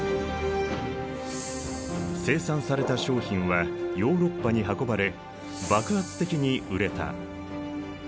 生産された商品はヨーロッパに運ばれ爆発的に売れた。